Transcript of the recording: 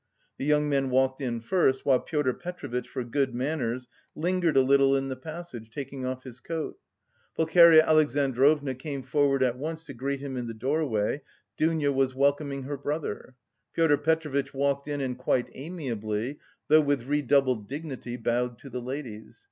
The young men walked in first, while Pyotr Petrovitch, for good manners, lingered a little in the passage, taking off his coat. Pulcheria Alexandrovna came forward at once to greet him in the doorway, Dounia was welcoming her brother. Pyotr Petrovitch walked in and quite amiably, though with redoubled dignity, bowed to the ladies.